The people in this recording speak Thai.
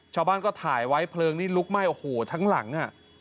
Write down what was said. ชาวบ้านก็ถ่ายไว้เพลิงนี่ลุกไหม้โอ้โหทั้งหลังอ่ะ